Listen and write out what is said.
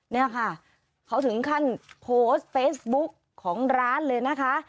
เนี่ยค่ะเขาถึงขั้นโพสต์เฟซบุ๊กของร้านเลยนะคะ